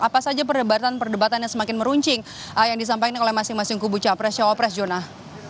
apa saja perdebatan perdebatan yang semakin meruncing yang disampaikan oleh masing masing kubu capres cawapres jonah